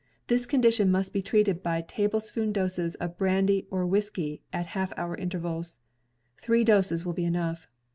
This condition must be treated by tablespoonful doses of brandy or whiskey at half hour intervals. Three doses will be enough.